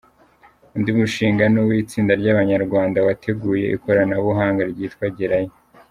Undi mushinga ni uw’itsinda ry’abanyarwanda wateguye ikoranabuhanga ryitwa ‘Gerayo’.